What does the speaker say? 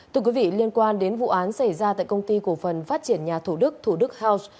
thưa quý vị liên quan đến vụ án xảy ra tại công ty cổ phần phát triển nhà thủ đức thủ đức house